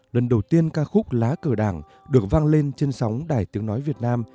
lần đầu tiên ca khúc lá cờ đảng được vang lên trên sóng đài tiếng nói việt nam